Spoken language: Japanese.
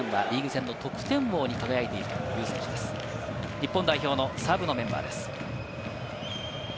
日本代表のサブのメンバーです。